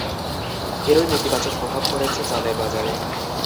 এরই নেতিবাচক প্রভাব পড়েছে চালের বাজারে।